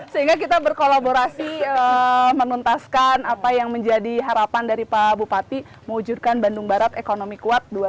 sehingga kita berkolaborasi menuntaskan apa yang menjadi harapan dari pak bupati mewujudkan bandung barat ekonomi kuat dua ribu dua puluh